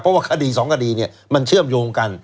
เพราะว่าคดีสองคดีเนี่ยมันเชื่อมโยงกัน